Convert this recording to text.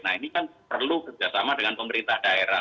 nah ini kan perlu bekerja sama dengan pemerintah daerah